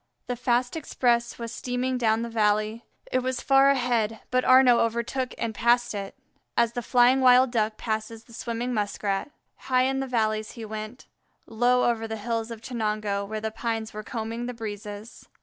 The fast express was steaming down the valley. It was far ahead, but Arnaux overtook and passed it, as the flying wild Duck passes the swimming Muskrat. High in the valleys he went, low over the hills of Chenango, where the pines were combing the breezes.